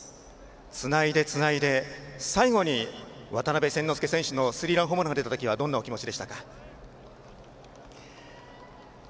つないで、つないで最後に渡邉千之亮選手のスリーランホームランが出た時はどんなお気持ちでしたか？